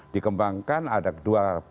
dikembangkan ada dua perlawanan